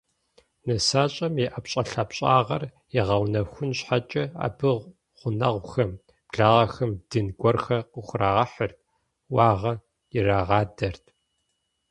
НысащӀэм и ӀэпщӀэлъапщӀагъэр ягъэунэхун щхьэкӀэ абы гъунэгъухэм, благъэхэм дын гуэрхэр къыхурагъэхьырт, уагъэ ирырагъадэрт.